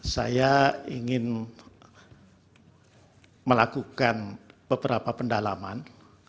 saya ingin melakukan beberapa pendalaman